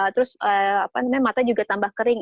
terus mata juga tambah kering